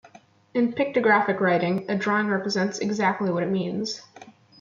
In pictographic writing, a drawing represents exactly what it means.